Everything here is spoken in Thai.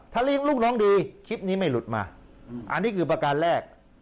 ถ้าลูกน้องดีคลิปนี้ไม่หลุดมาอันนี้คือประการแรก